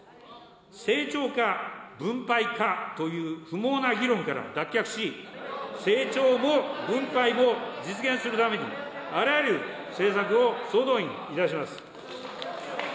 成長か、分配かという不毛な議論から脱却し、成長も分配も実現するために、あらゆる政策を総動員いたします。